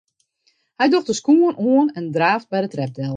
Hy docht de skuon oan en draaft by de trep del.